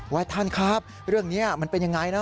ว่าท่านครับเรื่องนี้มันเป็นยังไงนะ